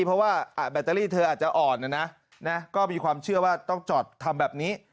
เพราะว่าแบตเตอรี่เธออาจจะอ่อนนะนะก็มีความเชื่อว่าต้องจอดทำแบบนี้